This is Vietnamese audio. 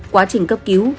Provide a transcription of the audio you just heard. quá trình cấp cứu